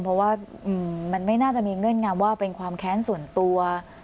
เพราะว่ามันไม่น่าจะมีเงื่อนงำว่าเป็นความแค้นส่วนตัว